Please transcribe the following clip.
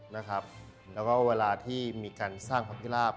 แล้วก็เวลาที่มีการสร้างพระพิราบ